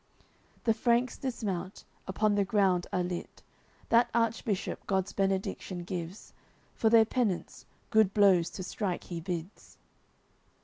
The Franks dismount, upon the ground are lit. That Archbishop God's Benediction gives, For their penance, good blows to strike he bids.